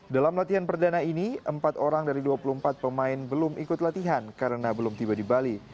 dalam latihan perdana ini empat orang dari dua puluh empat pemain belum ikut latihan karena belum tiba di bali